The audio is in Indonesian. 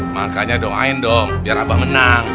makanya doain dong biar abah menang